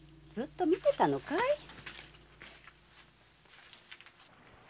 ずっと見てたのかい？